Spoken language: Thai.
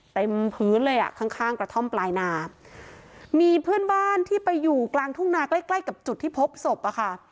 เต็มพื้นเลยอ่ะข้างข้างกระท่อมปลายนามีเพื่อนบ้านที่ไปอยู่กลางทุ่งนาใกล้ใกล้กับจุดที่พบศพอะค่ะ